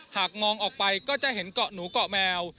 หากมองออกไปก็จะเห็นเกาะหนูเกาะแมว